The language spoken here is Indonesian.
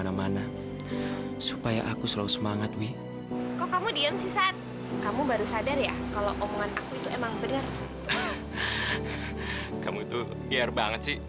sampai jumpa di video selanjutnya